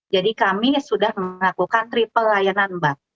jadi kami sudah melakukan triple layanan mbak